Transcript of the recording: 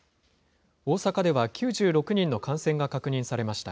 大阪では９６人の感染が確認されました。